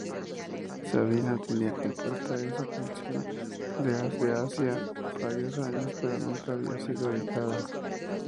Sabina tenía compuesta esa canción desde hacía varios años pero nunca había sido editada.